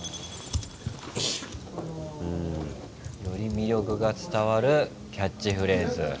より魅力が伝わるキャッチフレーズ。